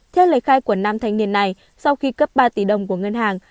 theo lời khai của nam thanh niên này sau khi cấp ba tỷ đồng của ngân hàng